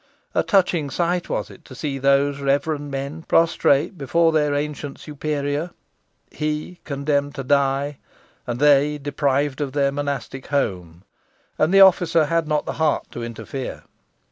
A touching sight was it to see those reverend men prostrate before their ancient superior, he condemned to die, and they deprived of their monastic home, and the officer had not the heart to interfere.